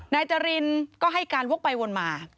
นายจรินก็ให้การวกไปวนมา